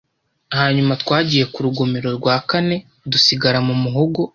Hanyuma twagiye ku rugomero rwa kane dusigara mu muhogo